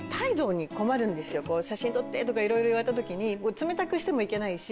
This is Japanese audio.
写真撮って！とか言われた時に冷たくしてもいけないし。